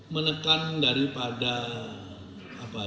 menekan daripada apa ya